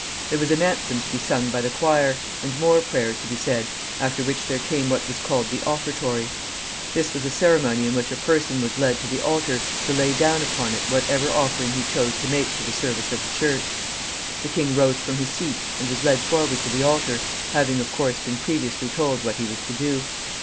There was an anthem to be sung by the choir, and more prayers to be said, after which there came what was called the offertory. This was a ceremony in which a person was led to the altar, to lay down upon it whatever offering he chose to make for the service of the Church. The king rose from his seat and was led forward to the altar, having, of course, been previously told what he was to do.